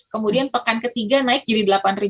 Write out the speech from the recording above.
kemudian pekan ketiga naik jadi delapan tiga ratus